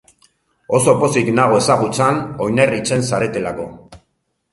Oso pozik nago ezagutzan oinarritzen zaretelako.